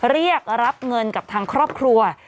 เรียกรับเงินกับทางครอบครัว